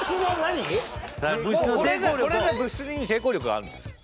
これじゃ物質に抵抗力があるんですよ。